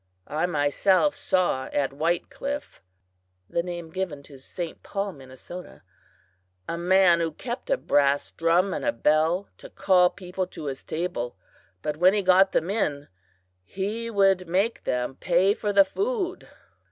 I myself saw at White Cliff (the name given to St. Paul, Minnesota) a man who kept a brass drum and a bell to call people to his table; but when he got them in he would make them pay for the food!